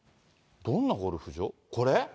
どんなゴルフ場？